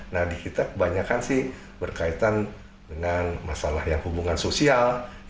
nah di kita kebanyakan sih berkaitan dengan masalah yang hubungan sosial